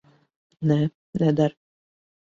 Nē, neder.